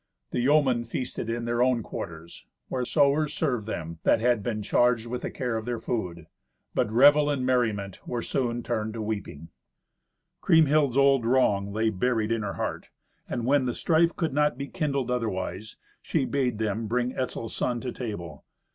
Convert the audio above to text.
The yeomen feasted in their own quarters, where sewers served them, that had been charged with the care of their food. But revel and merriment were soon turned to weeping. Kriemhild's old wrong lay buried in her heart, and when the strife could not be kindled otherwise, she bade them bring Etzel's son to table.